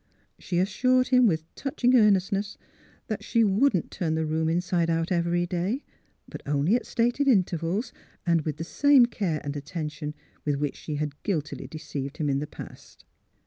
She assured him, with touching earnest ness, that she wouldn't turn the room inside out every day; but only at stated intervals, and with the same care and attention with which she had guiltily deceived him in the past.